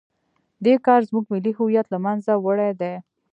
دې کار زموږ ملي هویت له منځه وړی دی.